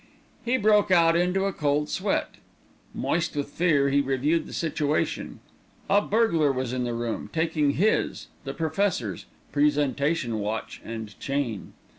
He broke out into a cold sweat. Moist with fear, he reviewed the situation. A burglar was in the room, taking his the Professor's presentation watch and chain.